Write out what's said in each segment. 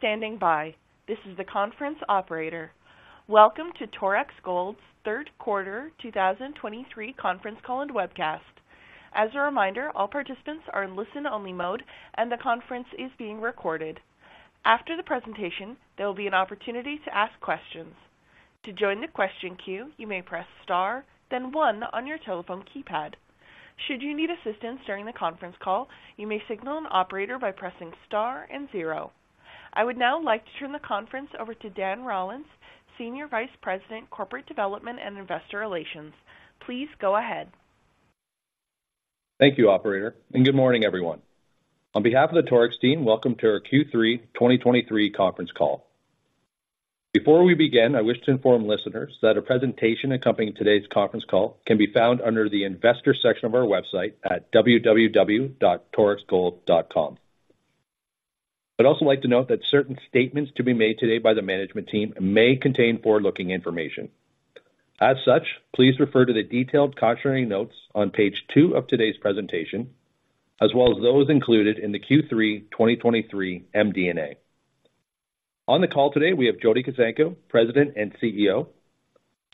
Thank you for standing by. This is the conference operator. Welcome to Torex Gold's Third Quarter 2023 Conference Call and Webcast. As a reminder, all participants are in listen-only mode, and the conference is being recorded. After the presentation, there will be an opportunity to ask questions. To join the question queue, you may press star, then one on your telephone keypad. Should you need assistance during the conference call, you may signal an operator by pressing star and zero. I would now like to turn the conference over to Dan Rollins, Senior Vice President, Corporate Development and Investor Relations. Please go ahead. Thank you, operator, and good morning, everyone. On behalf of the Torex team, welcome to our Q3 2023 conference call. Before we begin, I wish to inform listeners that a presentation accompanying today's conference call can be found under the investor section of our website at www.torexgold.com. I'd also like to note that certain statements to be made today by the management team may contain forward-looking information. As such, please refer to the detailed cautionary notes on page two of today's presentation, as well as those included in the Q3 2023 MD&A. On the call today, we have Jody Kuzenko, President and CEO,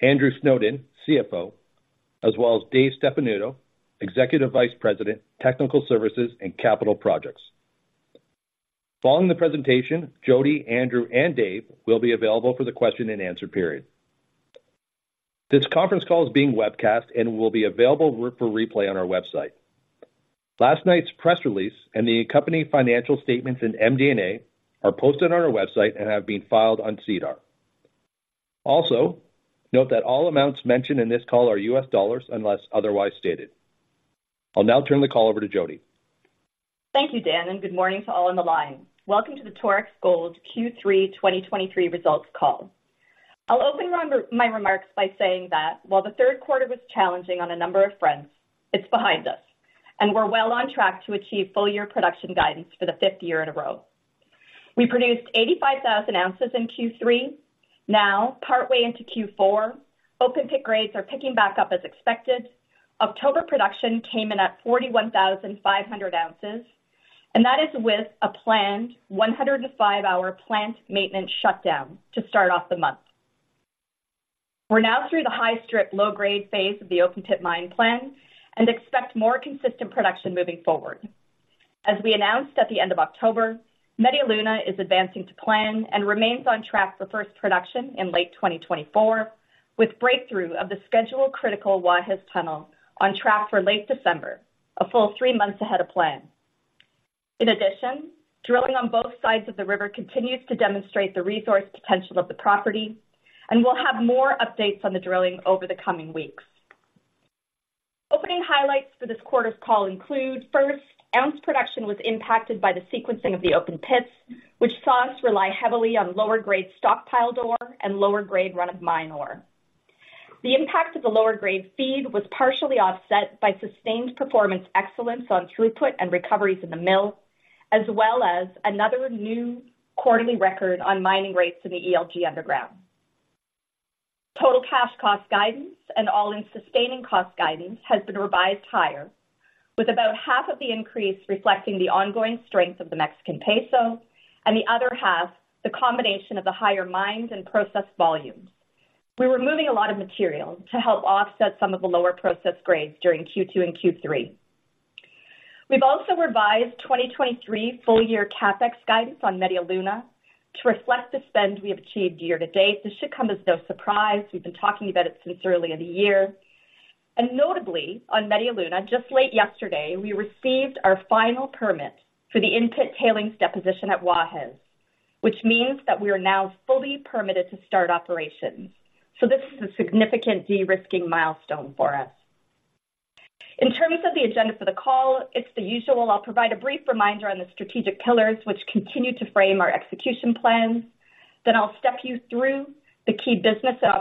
Andrew Snowden, CFO, as well as Dave Stefanuto, Executive Vice President, Technical Services and Capital Projects. Following the presentation, Jody, Andrew, and Dave will be available for the Q&A period. This conference call is being webcast and will be available for replay on our website. Last night's press release and the accompanying financial statements in MD&A are posted on our website and have been filed on SEDAR. Also, note that all amounts mentioned in this call are U.S. dollars, unless otherwise stated. I'll now turn the call over to Jody. Thank you, Dan, and good morning to all on the line. Welcome to the Torex Gold Q3 2023 results call. I'll open my remarks by saying that while the third quarter was challenging on a number of fronts, it's behind us, and we're well on track to achieve full-year production guidance for the fifth year in a row. We produced 85,000 oz in Q3. Now, partway into Q4, open pit grades are picking back up as expected. October production came in at 41,500 oz, and that is with a planned 105-hour plant maintenance shutdown to start off the month. We're now through the high strip, low grade phase of the open pit mine plan and expect more consistent production moving forward. As we announced at the end of October, Media Luna is advancing to plan and remains on track for first production in late 2024, with breakthrough of the schedule-critical Guajes Tunnel on track for late December, a full three months ahead of plan. In addition, drilling on both sides of the river continues to demonstrate the resource potential of the property, and we'll have more updates on the drilling over the coming weeks. Opening highlights for this quarter's call include first, ounce production was impacted by the sequencing of the open pits, which saw us rely heavily on lower-grade stockpile ore and lower-grade run-of-mine ore. The impact of the lower-grade feed was partially offset by sustained performance excellence on throughput and recoveries in the mill, as well as another new quarterly record on mining rates in the ELG Underground. Total cash cost guidance and all-in sustaining cost guidance has been revised higher, with about half of the increase reflecting the ongoing strength of the Mexican peso and the other half, the combination of the higher mines and process volumes. We were moving a lot of material to help offset some of the lower process grades during Q2 and Q3. We've also revised 2023 full-year CapEx guidance on Media Luna to reflect the spend we have achieved year to date. This should come as no surprise. We've been talking about it since early in the year, and notably on Media Luna, just late yesterday, we received our final permit for the in-pit tailings deposition at Guajes, which means that we are now fully permitted to start operations. So this is a significant de-risking milestone for us. In terms of the agenda for the call, it's the usual. I'll provide a brief reminder on the strategic pillars, which continue to frame our execution plans. Then I'll step you through the key business and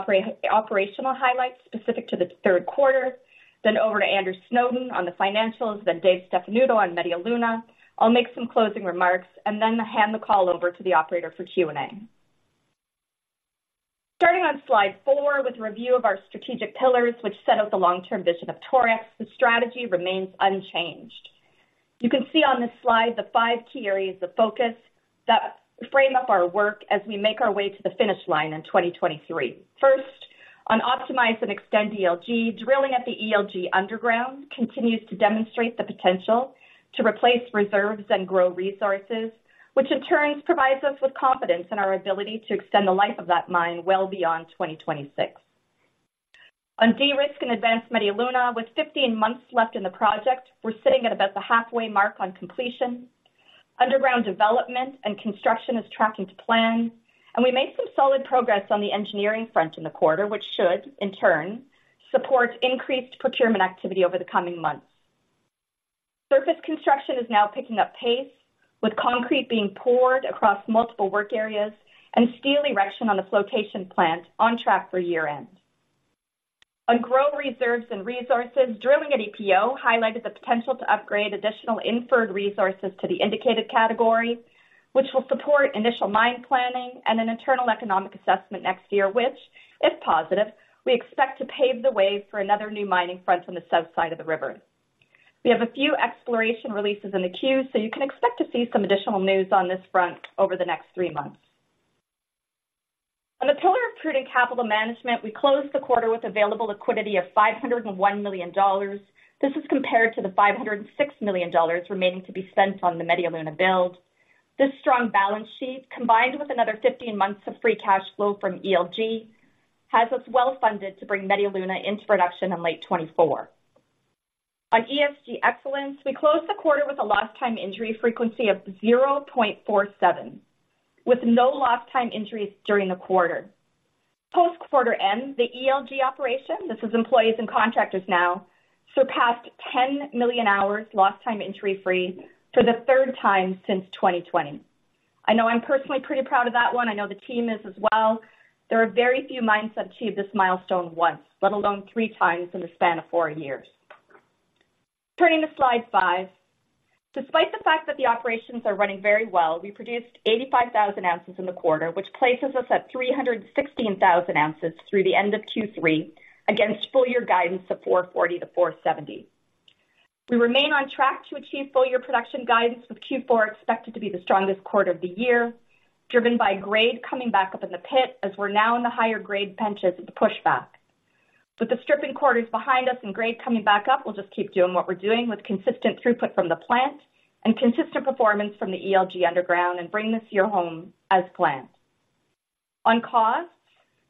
operational highlights specific to the third quarter, then over to Andrew Snowden on the financials, then Dave Stefanuto on Media Luna. I'll make some closing remarks and then hand the call over to the operator for Q&A. Starting on slide four, with a review of our strategic pillars, which set out the long-term vision of Torex, the strategy remains unchanged. You can see on this slide the five key areas of focus that frame up our work as we make our way to the finish line in 2023. First, on optimize and extend ELG, drilling at the ELG Underground continues to demonstrate the potential to replace reserves and grow resources, which in turn provides us with confidence in our ability to extend the life of that mine well beyond 2026. On de-risk and advance Media Luna, with 15 months left in the project, we're sitting at about the halfway mark on completion. Underground development and construction is tracking to plan, and we made some solid progress on the engineering front in the quarter, which should, in turn, support increased procurement activity over the coming months. Surface construction is now picking up pace, with concrete being poured across multiple work areas and steel erection on the flotation plant on track for year-end. On growing reserves and resources, drilling at EPO highlighted the potential to upgrade additional inferred resources to the indicated category, which will support initial mine planning and an internal economic assessment next year, which, if positive, we expect to pave the way for another new mining front on the south side of the river. We have a few exploration releases in the queue, so you can expect to see some additional news on this front over the next three months. On the pillar of prudent capital management, we closed the quarter with available liquidity of $501 million. This is compared to the $506 million remaining to be spent on the Media Luna build. This strong balance sheet, combined with another 15 months of free cash flow from ELG, has us well-funded to bring Media Luna into production in late 2024. On ESG excellence, we closed the quarter with a lost time injury frequency of 0.47, with no lost time injuries during the quarter. Post-quarter end, the ELG operation, this is employees and contractors now, surpassed 10 million hours lost time injury-free for the third time since 2020. I know I'm personally pretty proud of that one. I know the team is as well. There are very few mines that achieve this milestone once, let alone three times in the span of four years. Turning to slide five. Despite the fact that the operations are running very well, we produced 85,000 oz in the quarter, which places us at 316,000 oz through the end of Q3, against full year guidance of 440-470. We remain on track to achieve full year production guidance, with Q4 expected to be the strongest quarter of the year, driven by grade coming back up in the pit as we're now in the higher grade benches at the pushback. With the stripping quarters behind us and grade coming back up, we'll just keep doing what we're doing with consistent throughput from the plant and consistent performance from the ELG Underground, and bring this year home as planned. On costs,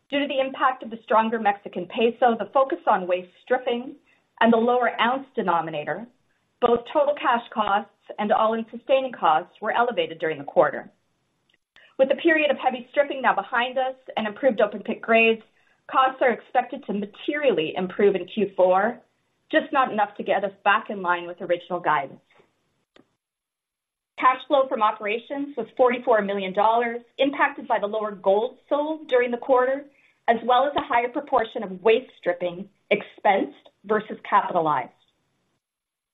due to the impact of the stronger Mexican peso, the focus on waste stripping and the lower ounce denominator, both total cash costs and all-in sustaining costs were elevated during the quarter. With a period of heavy stripping now behind us and improved open pit grades, costs are expected to materially improve in Q4, just not enough to get us back in line with original guidance. Cash flow from operations was $44 million, impacted by the lower gold sold during the quarter, as well as a higher proportion of waste stripping expensed versus capitalized.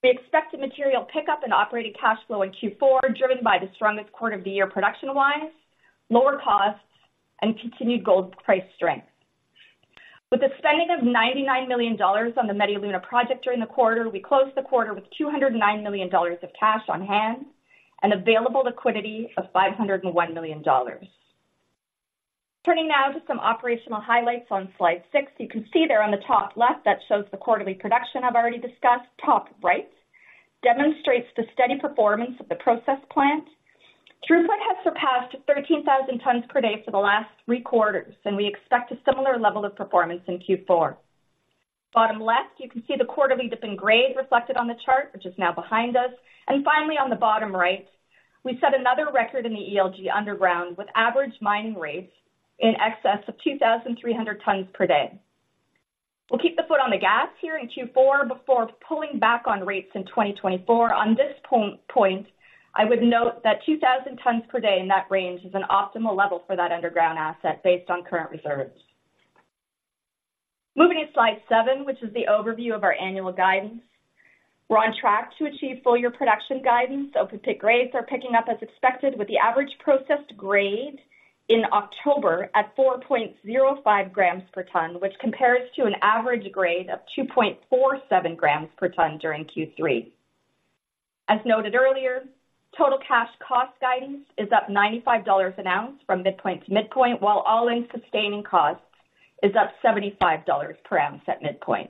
We expect a material pickup in operating cash flow in Q4, driven by the strongest quarter of the year production-wise, lower costs, and continued gold price strength. With the spending of $99 million on the Media Luna project during the quarter, we closed the quarter with $209 million of cash on hand and available liquidity of $501 million. Turning now to some operational highlights on slide six. You can see there on the top left, that shows the quarterly production I've already discussed. Top right demonstrates the steady performance of the process plant. Throughput has surpassed 13,000 tons per day for the last three quarters, and we expect a similar level of performance in Q4. Bottom left, you can see the quarterly dip in grade reflected on the chart, which is now behind us. And finally, on the bottom right, we set another record in the ELG Underground, with average mining rates in excess of 2,300 tons per day. We'll keep the foot on the gas here in Q4 before pulling back on rates in 2024. On this point, I would note that 2,000 tons per day in that range is an optimal level for that underground asset based on current reserves. Moving to slide seven, which is the overview of our annual guidance. We're on track to achieve full year production guidance. Open pit grades are picking up as expected, with the average processed grade in October at 4.05 g/t, which compares to an average grade of 2.47 g/t during Q3. As noted earlier, total cash cost guidance is up $95 an ounce from midpoint to midpoint, while all-in sustaining costs is up $75 per ounce at midpoint.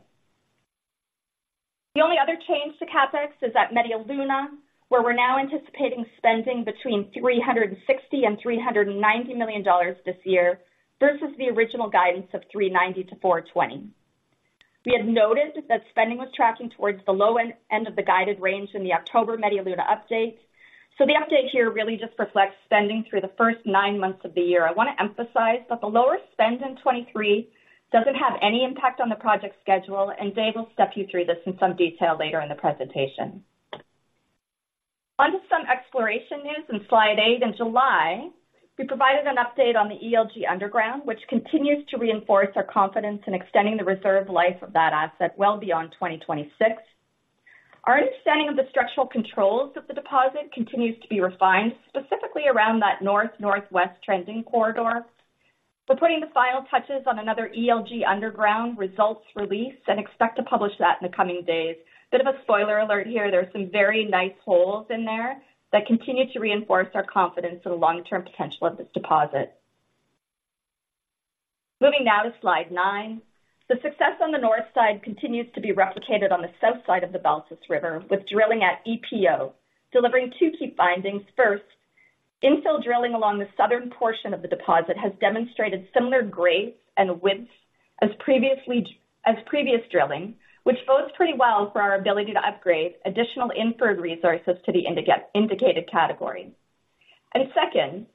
The only other change to CapEx is at Media Luna, where we're now anticipating spending between $360 million and $390 million this year versus the original guidance of $390 million-$420 million. We had noted that spending was tracking towards the low end of the guided range in the October Media Luna update. So the update here really just reflects spending through the first nine months of the year. I want to emphasize that the lower spend in 2023 doesn't have any impact on the project schedule, and Dave will step you through this in some detail later in the presentation. On to some exploration news on slide eight. In July, we provided an update on the ELG Underground, which continues to reinforce our confidence in extending the reserve life of that asset well beyond 2026. Our understanding of the structural controls of the deposit continues to be refined, specifically around that north, northwest trending corridor. We're putting the final touches on another ELG Underground results release and expect to publish that in the coming days. Bit of a spoiler alert here, there are some very nice holes in there that continue to reinforce our confidence in the long-term potential of this deposit. Moving now to slide 9. The success on the north side continues to be replicated on the south side of the Balsas River, with drilling at EPO delivering two key findings. First, infill drilling along the southern portion of the deposit has demonstrated similar grades and widths as previous drilling, which bodes pretty well for our ability to upgrade additional inferred resources to the indicated category. And second,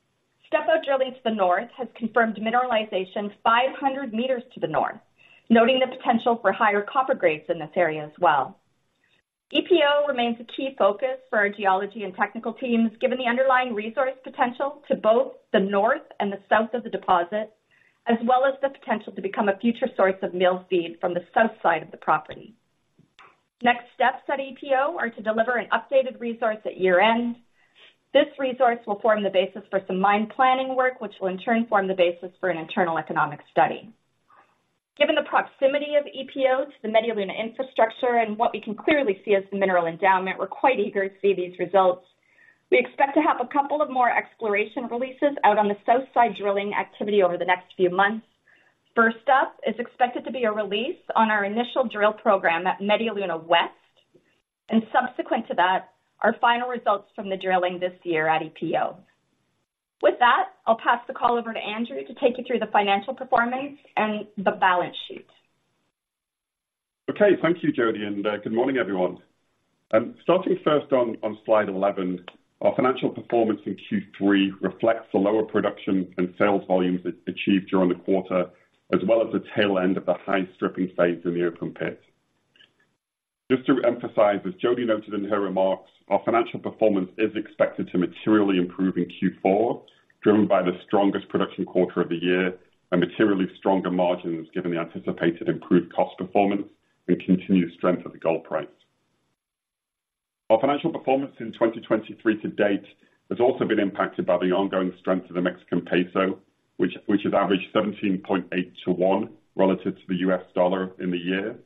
step-out drilling to the north has confirmed mineralization 500 meters to the north, noting the potential for higher copper grades in this area as well. EPO remains a key focus for our geology and technical teams, given the underlying resource potential to both the north and the south of the deposit, as well as the potential to become a future source of mill feed from the south side of the property. Next steps at EPO are to deliver an updated resource at year-end. This resource will form the basis for some mine planning work, which will in turn form the basis for an internal economic study. Given the proximity of EPO to the Media Luna infrastructure and what we can clearly see as the mineral endowment, we're quite eager to see these results. We expect to have a couple of more exploration releases out on the south side drilling activity over the next few months. First up, is expected to be a release on our initial drill program at Media Luna West, and subsequent to that, our final results from the drilling this year at EPO. With that, I'll pass the call over to Andrew to take you through the financial performance and the balance sheet. Okay, thank you, Jody, and good morning, everyone. Starting first on slide 11, our financial performance in Q3 reflects the lower production and sales volumes achieved during the quarter, as well as the tail end of the high stripping phase in the open pit. Just to emphasize, as Jody noted in her remarks, our financial performance is expected to materially improve in Q4, driven by the strongest production quarter of the year and materially stronger margins, given the anticipated improved cost performance and continued strength of the gold price. Our financial performance in 2023 to date has also been impacted by the ongoing strength of the Mexican peso, which has averaged 17.8 to one relative to the U.S. dollar in the year,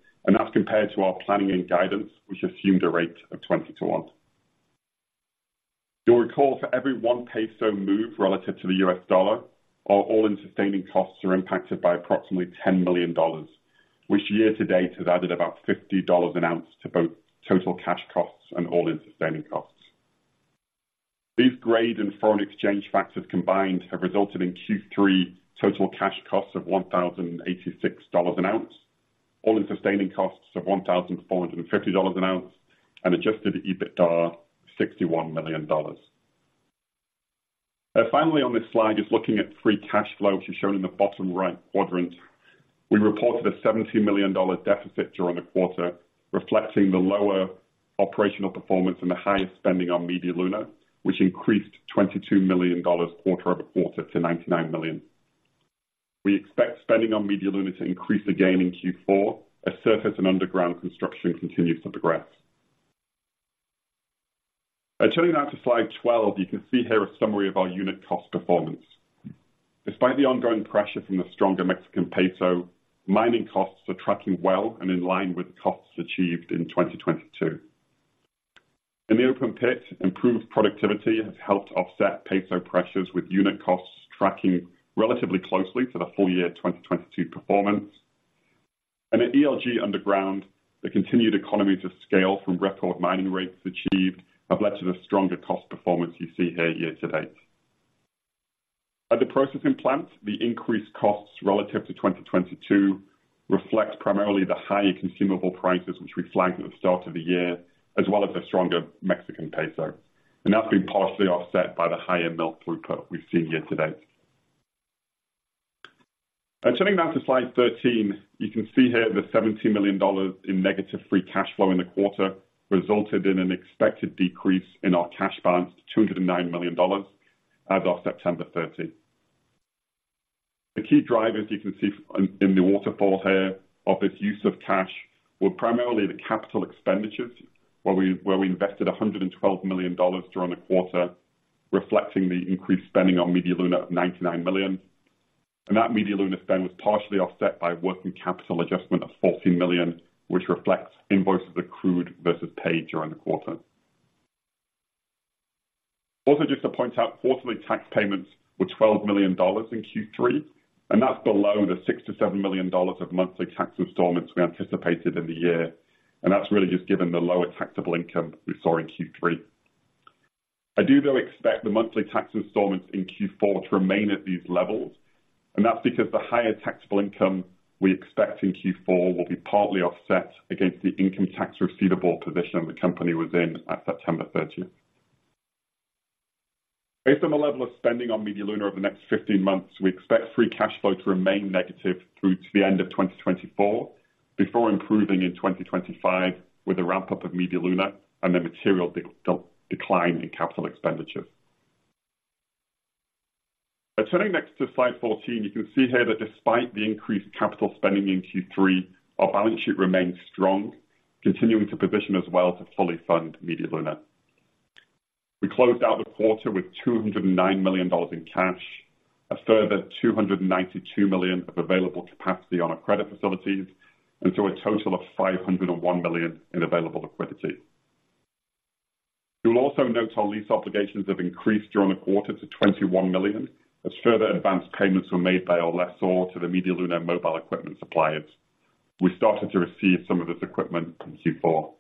and that's compared to our planning and guidance, which assumed a rate of 20 to one. You'll recall, for every 1 peso move relative to the U.S. dollar, our all-in sustaining costs are impacted by approximately $10 million, which year to date has added about $50 an ounce to both total cash costs and all-in sustaining costs. These grade and foreign exchange factors combined have resulted in Q3 total cash costs of $1,086 an ounce, all-in sustaining costs of $1,450 an ounce, and adjusted EBITDA of $61 million. Finally, on this slide, just looking at free cash flow, which is shown in the bottom right quadrant. We reported a $70 million deficit during the quarter, reflecting the lower operational performance and the higher spending on Media Luna, which increased $22 million quarter-over-quarter to $99 million. We expect spending on Media Luna to increase again in Q4 as surface and underground construction continues to progress. Turning now to slide 12, you can see here a summary of our unit cost performance. Despite the ongoing pressure from the stronger Mexican peso, mining costs are tracking well and in line with costs achieved in 2022. In the open pit, improved productivity has helped offset peso pressures, with unit costs tracking relatively closely to the full year 2022 performance. And at ELG Underground, the continued economy to scale from record mining rates achieved have led to the stronger cost performance you see here year to date. At the processing plant, the increased costs relative to 2022 reflects primarily the higher consumable prices, which we flagged at the start of the year, as well as the stronger Mexican peso, and that's been partially offset by the higher mill throughput we've seen year to date. And turning now to slide 13, you can see here the $70 million in negative free cash flow in the quarter resulted in an expected decrease in our cash balance to $209 million as of September 30. The key drivers you can see in the waterfall here of this use of cash were primarily the capital expenditures, where we invested $112 million during the quarter, reflecting the increased spending on Media Luna of $99 million. That Media Luna spend was partially offset by working capital adjustment of $14 million, which reflects invoices accrued versus paid during the quarter. Also, just to point out, quarterly tax payments were $12 million in Q3, and that's below the $6 million-$7 million of monthly tax installments we anticipated in the year, and that's really just given the lower taxable income we saw in Q3. I do, though, expect the monthly tax installments in Q4 to remain at these levels, and that's because the higher taxable income we expect in Q4 will be partly offset against the income tax receivable position the company was in at September 30th. Based on the level of spending on Media Luna over the next 15 months, we expect free cash flow to remain negative through to the end of 2024, before improving in 2025 with a ramp-up of Media Luna and a material decline in capital expenditure. Turning next to slide 14, you can see here that despite the increased capital spending in Q3, our balance sheet remains strong, continuing to position us well to fully fund Media Luna. We closed out the quarter with $209 million in cash, a further $292 million of available capacity on our credit facilities, and so a total of $501 million in available liquidity. You'll also note our lease obligations have increased during the quarter to $21 million, as further advanced payments were made by our lessor to the Media Luna mobile equipment suppliers. We started to receive some of this equipment in Q4.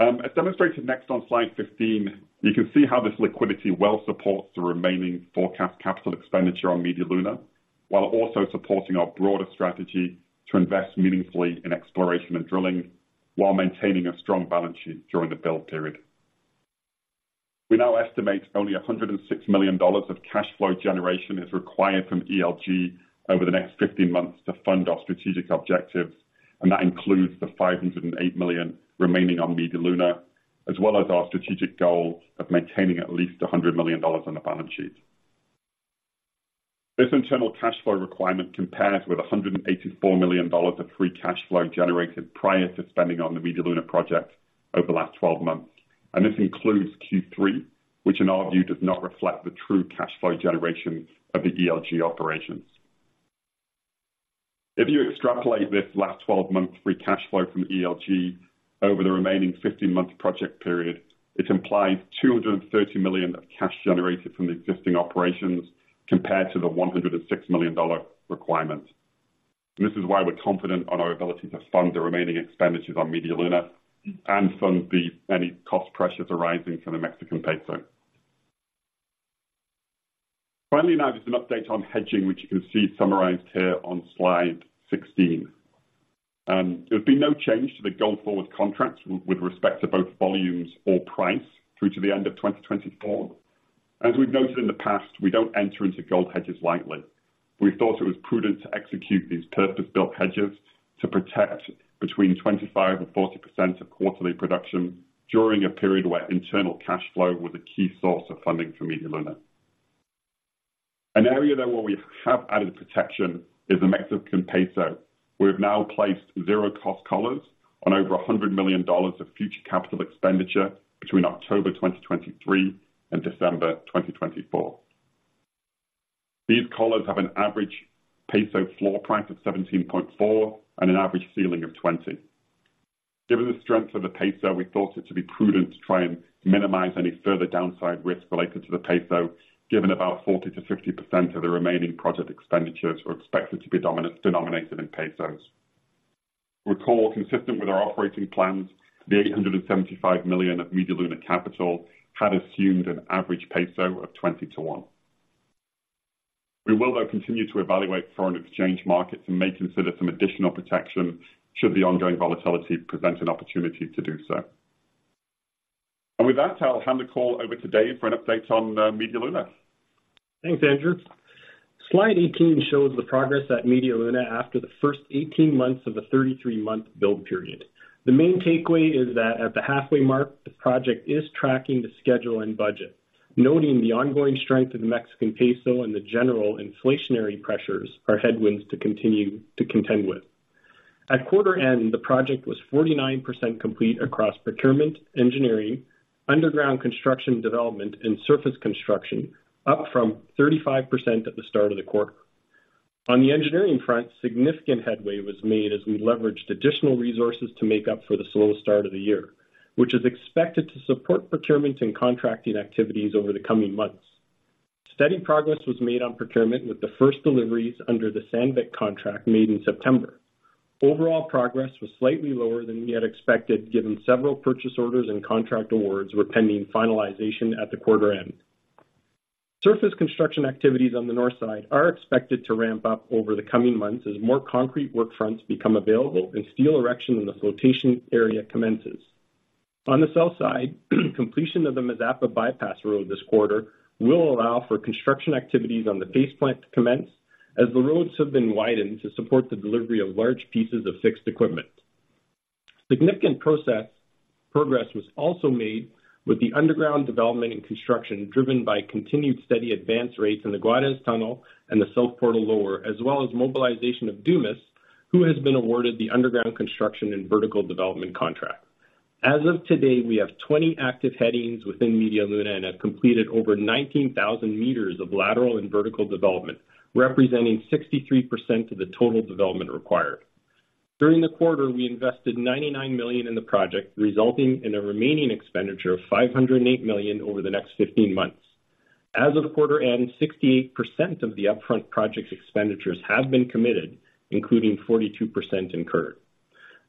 As demonstrated next on slide 15, you can see how this liquidity well supports the remaining forecast capital expenditure on Media Luna, while also supporting our broader strategy to invest meaningfully in exploration and drilling, while maintaining a strong balance sheet during the build period. We now estimate only $106 million of cash flow generation is required from ELG over the next 15 months to fund our strategic objectives, and that includes the $508 million remaining on Media Luna, as well as our strategic goal of maintaining at least $100 million on the balance sheet. This internal cash flow requirement compares with $184 million of free cash flow generated prior to spending on the Media Luna project over the last 12 months. This includes Q3, which in our view, does not reflect the true cash flow generation of the ELG operations. If you extrapolate this last 12-month free cash flow from ELG over the remaining 15-month project period, it implies $230 million of cash generated from the existing operations, compared to the $106 million dollar requirement. This is why we're confident on our ability to fund the remaining expenditures on Media Luna and fund the any cost pressures arising from the Mexican peso. Finally, now, just an update on hedging, which you can see summarized here on slide 16. There'll be no change to the gold forward contracts with respect to both volumes or price through to the end of 2024. As we've noted in the past, we don't enter into gold hedges lightly. We thought it was prudent to execute these purpose-built hedges to protect between 25% and 40% of quarterly production during a period where internal cash flow was a key source of funding for Media Luna. An area where we have added protection is the Mexican peso. We've now placed zero cost collars on over $100 million of future capital expenditure between October 2023 and December 2024. These collars have an average peso floor price of 17.4 and an average ceiling of 20. Given the strength of the peso, we thought it to be prudent to try and minimize any further downside risk related to the peso, given about 40%-50% of the remaining project expenditures are expected to be denominated in pesos. Recall, consistent with our operating plans, the $875 million of Media Luna capital had assumed an average peso of 20 to one. We will, though, continue to evaluate foreign exchange markets and may consider some additional protection, should the ongoing volatility present an opportunity to do so. And with that, I'll hand the call over to Dave for an update on Media Luna. Thanks, Andrew. Slide 18 shows the progress at Media Luna after the first 18 months of a 33-month build period. The main takeaway is that at the halfway mark, the project is tracking the schedule and budget, noting the ongoing strength of the Mexican peso and the general inflationary pressures are headwinds to continue to contend with. At quarter end, the project was 49% complete across procurement, engineering, underground construction development, and surface construction, up from 35% at the start of the quarter. On the engineering front, significant headway was made as we leveraged additional resources to make up for the slow start of the year, which is expected to support procurements and contracting activities over the coming months. Steady progress was made on procurement, with the first deliveries under the Sandvik contract made in September. Overall progress was slightly lower than we had expected, given several purchase orders and contract awards were pending finalization at the quarter end. Surface construction activities on the north side are expected to ramp up over the coming months as more concrete work fronts become available and steel erection in the flotation area commences. On the south side, completion of the Mazapa bypass road this quarter will allow for construction activities on the paste plant to commence, as the roads have been widened to support the delivery of large pieces of fixed equipment. Significant progress was also made with the underground development and construction, driven by continued steady advance rates in the Guajes Tunnel and the South Portal Lower, as well as mobilization of Dumas, who has been awarded the underground construction and vertical development contract. As of today, we have 20 active headings within Media Luna and have completed over 19,000 meters of lateral and vertical development, representing 63% of the total development required. During the quarter, we invested $99 million in the project, resulting in a remaining expenditure of $508 million over the next 15 months. As of the quarter end, 68% of the upfront project expenditures have been committed, including 42% incurred.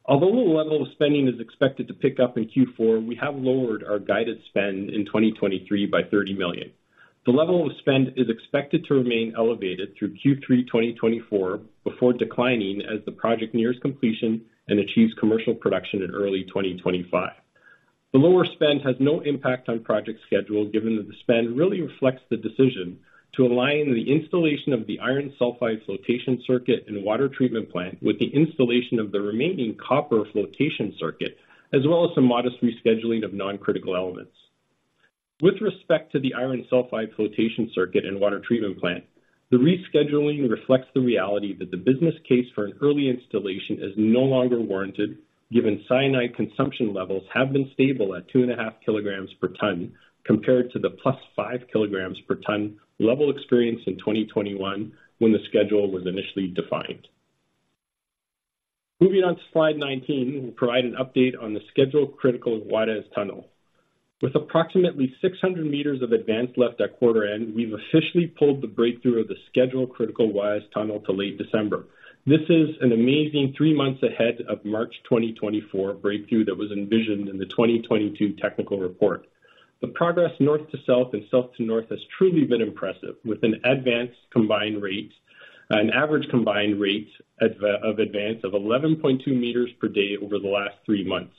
Although the level of spending is expected to pick up in Q4, we have lowered our guided spend in 2023 by $30 million. The level of spend is expected to remain elevated through Q3 2024, before declining as the project nears completion and achieves commercial production in early 2025. The lower spend has no impact on project schedule, given that the spend really reflects the decision to align the installation of the iron sulfide flotation circuit and water treatment plant with the installation of the remaining copper flotation circuit, as well as some modest rescheduling of non-critical elements. With respect to the iron sulfide flotation circuit and water treatment plant, the rescheduling reflects the reality that the business case for an early installation is no longer warranted, given cyanide consumption levels have been stable at 2.5 kg/t, compared to the +5 kg/t level experienced in 2021, when the schedule was initially defined. Moving on to slide 19, we provide an update on the schedule-critical Guajes Tunnel. With approximately 600 m of advance left at quarter end, we've officially pulled the breakthrough of the schedule critical Guajes Tunnel to late December. This is an amazing three months ahead of March 2024 breakthrough that was envisioned in the 2022 technical report. The progress north to south and south to north has truly been impressive, with an average combined rate of advance of 11.2 m per day over the last three months.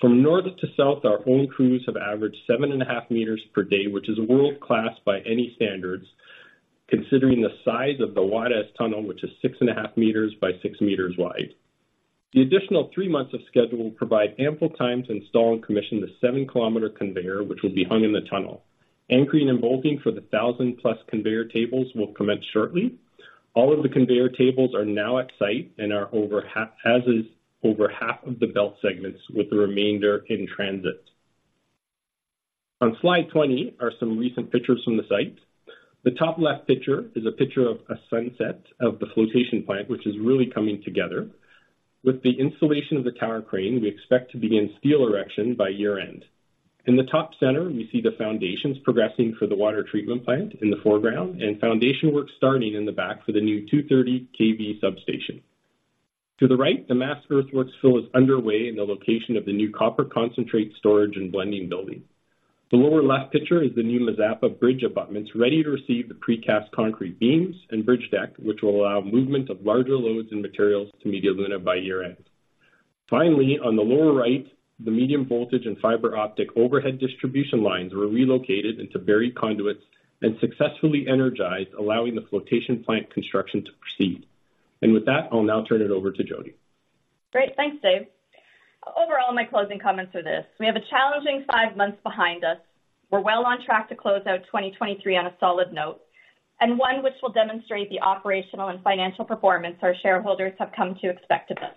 From north to south, our own crews have averaged 7.5 m per day, which is world-class by any standards, considering the size of the Guajes Tunnel, which is 6.5 m by 6 m wide. The additional three months of schedule will provide ample time to install and commission the 7-km conveyor, which will be hung in the tunnel. Anchoring and bolting for the 1000-plus conveyor tables will commence shortly. All of the conveyor tables are now at site and are over half, as is over half of the belt segments, with the remainder in transit. On slide 20 are some recent pictures from the site. The top left picture is a picture of a sunset of the flotation plant, which is really coming together. With the installation of the tower crane, we expect to begin steel erection by year-end. In the top center, we see the foundations progressing for the water treatment plant in the foreground and foundation work starting in the back for the new 230 kV substation. To the right, the mass earthworks fill is underway in the location of the new copper concentrate storage and blending building. The lower left picture is the new Mazapa bridge abutments, ready to receive the precast concrete beams and bridge deck, which will allow movement of larger loads and materials to Media Luna by year-end. Finally, on the lower right, the medium voltage and fiber optic overhead distribution lines were relocated into buried conduits and successfully energized, allowing the flotation plant construction to proceed. With that, I'll now turn it over to Jody. Great. Thanks, Dave. Overall, my closing comments are this: We have a challenging five months behind us. We're well on track to close out 2023 on a solid note and one which will demonstrate the operational and financial performance our shareholders have come to expect of us.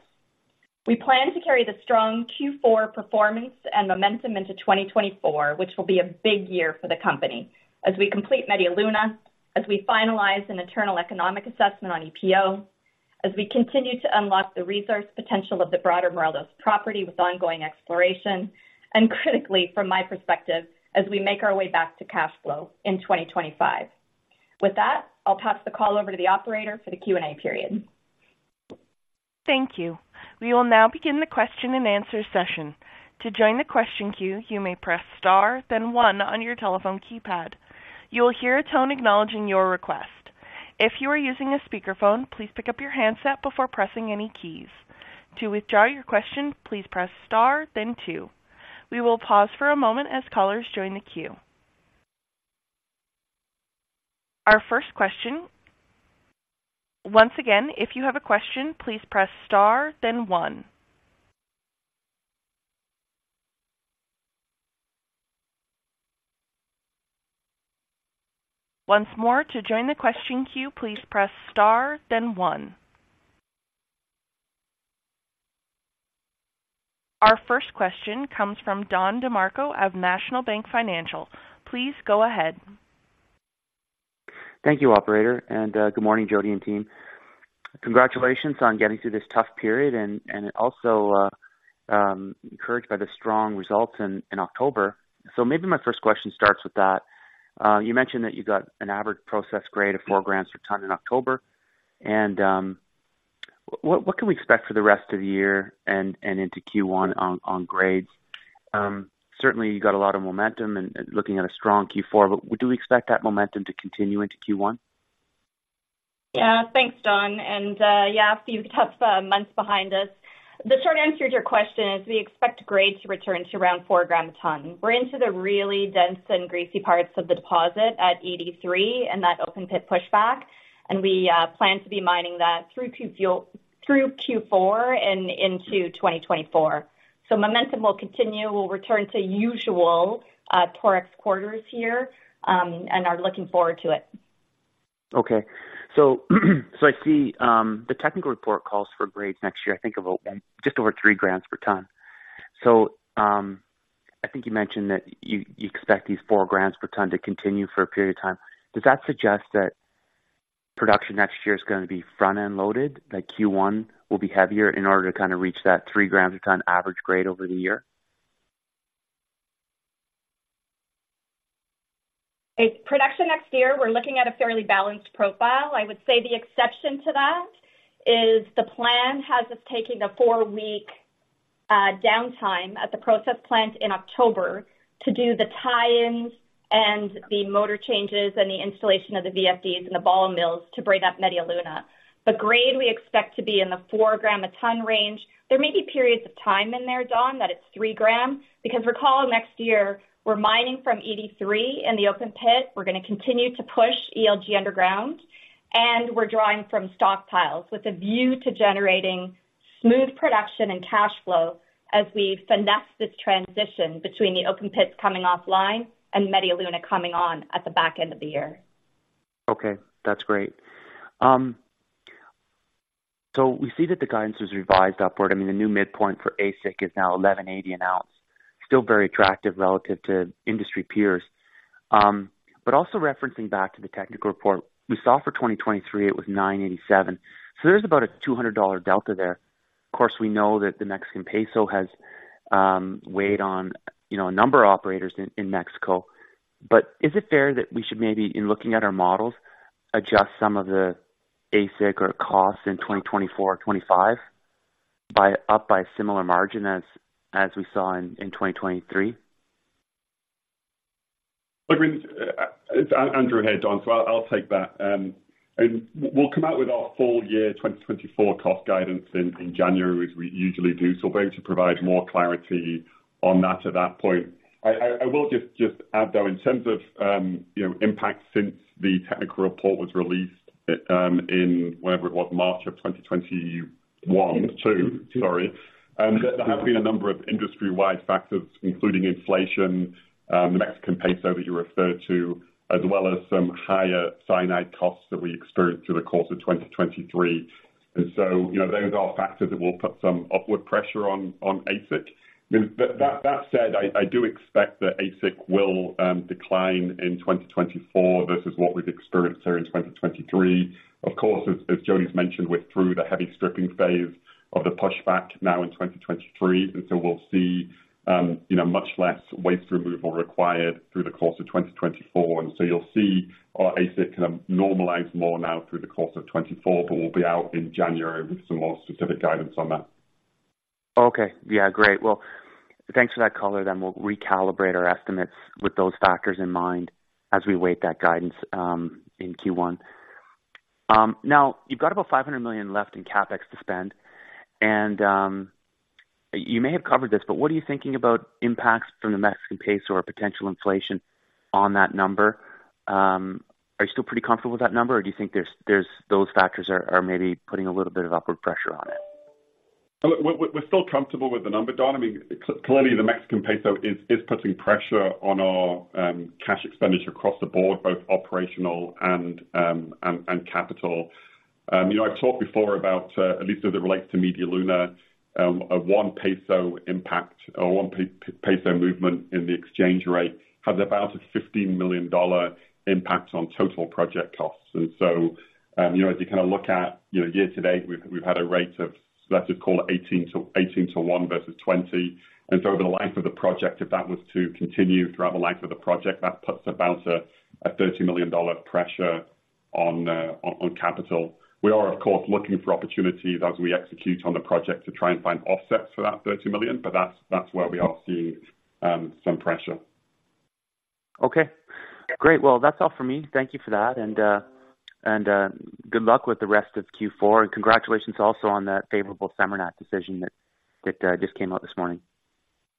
We plan to carry the strong Q4 performance and momentum into 2024, which will be a big year for the company as we complete Media Luna, as we finalize an internal economic assessment on EPO, as we continue to unlock the resource potential of the broader Morelos property with ongoing exploration, and critically, from my perspective, as we make our way back to cash flow in 2025. With that, I'll pass the call over to the operator for the Q&A period. Thank you. We will now begin the Q&A session. To join the question queue, you may press star, then one on your telephone keypad. You will hear a tone acknowledging your request. If you are using a speakerphone, please pick up your handset before pressing any keys. To withdraw your question, please press star then two. We will pause for a moment as callers join the queue. Our first question. Once again, if you have a question, please press Star then one. Once more, to join the question queue, please press Star then one. Our first question comes from Don DeMarco of National Bank Financial. Please go ahead. Thank you, operator, and good morning, Jody and team. Congratulations on getting through this tough period and also encouraged by the strong results in October. So maybe my first question starts with that. You mentioned that you got an average process grade of 4 g/t in October, and what can we expect for the rest of the year and into Q1 on grades? Certainly, you got a lot of momentum and looking at a strong Q4, but do we expect that momentum to continue into Q1? Yeah. Thanks, Don. And, yeah, a few tough months behind us. The short answer to your question is we expect grades to return to around four grams a ton. We're into the really dense and greasy parts of the deposit at 83 and that open pit pushback, and we plan to be mining that through Q4 and into 2024. So momentum will continue. We'll return to usual Torex quarters here, and are looking forward to it. Okay. So, I see, the technical report calls for grades next year, I think, about just over 3 3/t. So, I think you mentioned that you expect these 4 g/t to continue for a period of time. Does that suggest that production next year is going to be front-end loaded, that Q1 will be heavier in order to kind of reach that 3 g/t average grade over the year? It's production next year, we're looking at a fairly balanced profile. I would say the exception to that is the plan has us taking a four-week downtime at the process plant in October to do the tie-ins and the motor changes and the installation of the VFDs and the ball mills to bring up Media Luna. The grade we expect to be in the 4 g/t range. There may be periods of time in there, Don, that it's 3 g, because recall, next year, we're mining from 83 in the open pit. We're going to continue to push ELG Underground, and we're drawing from stockpiles with a view to generating smooth production and cash flow as we finesse this transition between the open pits coming offline and Media Luna coming on at the back end of the year. Okay, that's great. So we see that the guidance was revised upward. I mean, the new midpoint for AISC is now $1,180 an ounce. Still very attractive relative to industry peers. But also referencing back to the technical report, we saw for 2023, it was $987. So there's about a $200 delta there. Of course, we know that the Mexican peso has weighed on, you know, a number of operators in, in Mexico. But is it fair that we should maybe, in looking at our models, adjust some of the AISC or costs in 2024 or 2025 by, up by a similar margin as, as we saw in, in 2023? Look, I mean, it's Andrew here, Don, so I'll take that. We'll come out with our full year 2024 cost guidance in January, as we usually do. So we're going to provide more clarity on that at that point. I will just add, though, in terms of, you know, impact since the technical report was released in March 2022. There have been a number of industry-wide factors, including inflation, the Mexican peso that you referred to, as well as some higher cyanide costs that we experienced through the course of 2023. And so, you know, those are factors that will put some upward pressure on AISC. But that said, I do expect that AISC will decline in 2024 versus what we've experienced here in 2023. Of course, as Jody's mentioned, we're through the heavy stripping phase of the pushback now in 2023, and so we'll see, you know, much less waste removal required through the course of 2024. And so you'll see our AISC kind of normalize more now through the course of 2024, but we'll be out in January with some more specific guidance on that. Okay. Yeah, great. Well, thanks for that color, then we'll recalibrate our estimates with those factors in mind as we await that guidance in Q1. Now, you've got about $500 million left in CapEx to spend, and you may have covered this, but what are you thinking about impacts from the Mexican peso or potential inflation on that number? Are you still pretty comfortable with that number, or do you think those factors are maybe putting a little bit of upward pressure on it? Look, we're still comfortable with the number, Don. I mean, clearly, the Mexican peso is putting pressure on our cash expenditure across the board, both operational and capital. You know, I've talked before about, at least as it relates to Media Luna, a one peso impact or one peso movement in the exchange rate, has about a $15 million impact on total project costs. And so, you know, as you kind of look at, year to date, we've had a rate of, let's just call it 18 to one versus 20. And so over the length of the project, if that was to continue throughout the length of the project, that puts about a $30 million pressure on capital. We are, of course, looking for opportunities as we execute on the project to try and find offsets for that $30 million, but that's, that's where we are seeing some pressure. Okay, great. Well, that's all for me. Thank you for that. And good luck with the rest of Q4, and congratulations also on that favorable SEMARNAT decision that just came out this morning.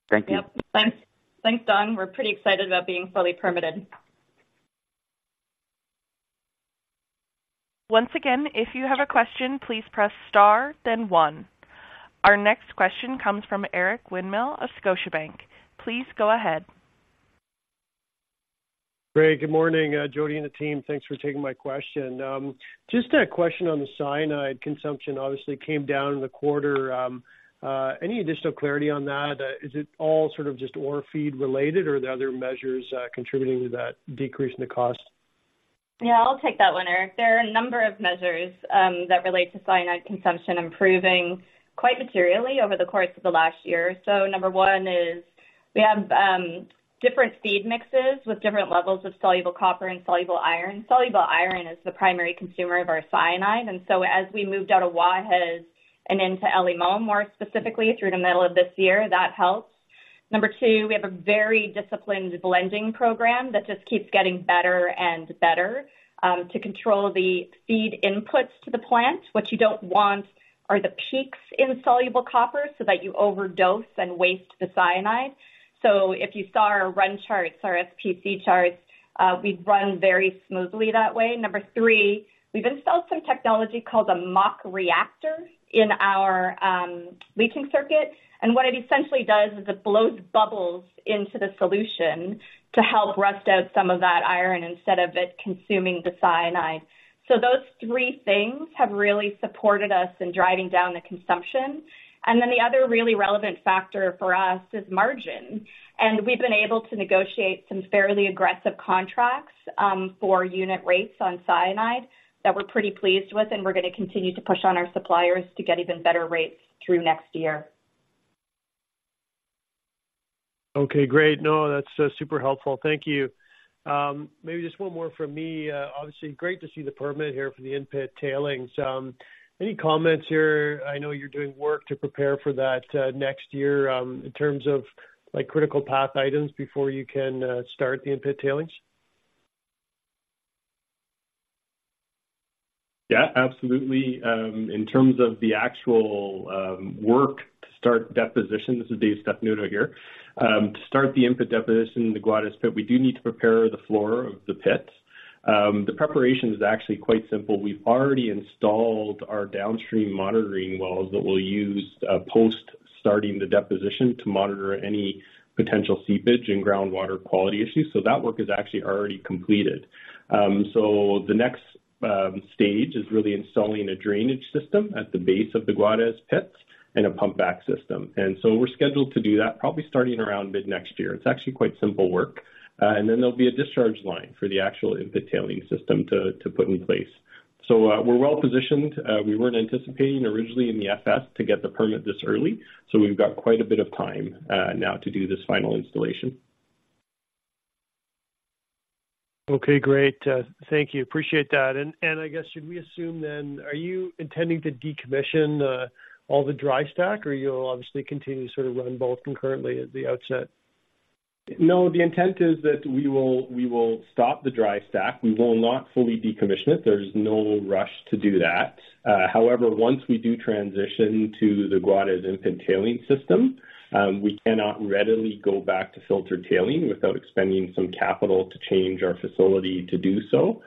Thank you. Yep. Thanks. Thanks, Don. We're pretty excited about being fully permitted. Once again, if you have a question, please press star, then one. Our next question comes from Eric Winmill of Scotiabank. Please go ahead. Great. Good morning, Jody and the team. Thanks for taking my question. Just a question on the cyanide consumption, obviously came down in the quarter. Any additional clarity on that? Is it all sort of just ore feed related or are there other measures, contributing to that decrease in the cost? Yeah, I'll take that one, Eric. There are a number of measures that relate to cyanide consumption, improving quite materially over the course of the last year. So number one is we have different feed mixes with different levels of soluble copper and soluble iron. Soluble iron is the primary consumer of our cyanide, and so as we moved out of Guajes and into El Limón, more specifically through the middle of this year, that helps. Number two, we have a very disciplined blending program that just keeps getting better and better to control the feed inputs to the plant. What you don't want are the peaks in soluble copper so that you overdose and waste the cyanide. So if you saw our run charts, our SPC charts, we'd run very smoothly that way. Number three, we've installed some technology called an MACH Reactor in our leaching circuit, and what it essentially does is it blows bubbles into the solution to help rust out some of that iron instead of it consuming the cyanide. So those three things have really supported us in driving down the consumption. And then the other really relevant factor for us is margin. And we've been able to negotiate some fairly aggressive contracts for unit rates on cyanide that we're pretty pleased with, and we're going to continue to push on our suppliers to get even better rates through next year. Okay, great. No, that's super helpful. Thank you. Maybe just one more from me. Obviously, great to see the permit here for the in-pit tailings. Any comments here? I know you're doing work to prepare for that next year, in terms of, like, critical path items before you can start the in-pit tailings? Yeah, absolutely. In terms of the actual work to start deposition, this is Dave Stefanuto here. To start the in-pit deposition in the Guajes pit, we do need to prepare the floor of the pit. The preparation is actually quite simple. We've already installed our downstream monitoring wells that we'll use post starting the deposition to monitor any potential seepage and groundwater quality issues. So that work is actually already completed. So the next stage is really installing a drainage system at the base of the Guajes pit and a pump back system. And so we're scheduled to do that probably starting around mid-next year. It's actually quite simple work. And then there'll be a discharge line for the actual in-pit tailing system to put in place. So, we're well positioned. We weren't anticipating originally in the FS to get the permit this early, so we've got quite a bit of time, now to do this final installation. Okay, great. Thank you. Appreciate that. And, and I guess, should we assume then, are you intending to decommission, all the dry stack, or you'll obviously continue to sort of run both concurrently at the outset? No, the intent is that we will, we will stop the dry stack. We will not fully decommission it. There's no rush to do that. However, once we do transition to the Guajes in-pit tailings system, we cannot readily go back to filter tailings without expending some capital to change our facility to do so.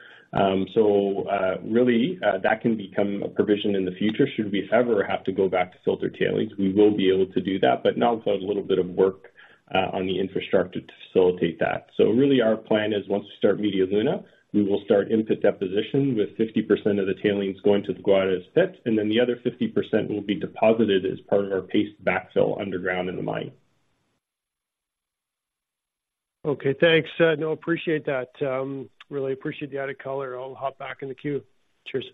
So, really, that can become a provision in the future. Should we ever have to go back to filter tailings, we will be able to do that, but not without a little bit of work on the infrastructure to facilitate that. So really our plan is once we start Media Luna, we will start in-pit deposition with 50% of the tailings going to the Guajes pit, and then the other 50% will be deposited as part of our paste backfill underground in the mine. Okay, thanks. No, appreciate that. Really appreciate the added color. I'll hop back in the queue. Cheers.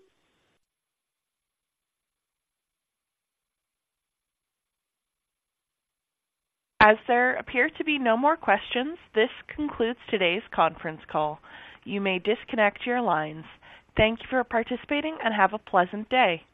As there appear to be no more questions, this concludes today's conference call. You may disconnect your lines. Thank you for participating and have a pleasant day.